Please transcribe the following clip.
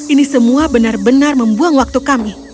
ini semua benar benar membuang waktu kami